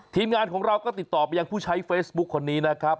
ทีมงานของเราก็ติดต่อไปยังผู้ใช้เฟซบุ๊คคนนี้นะครับ